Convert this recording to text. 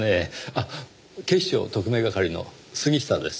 あっ警視庁特命係の杉下です。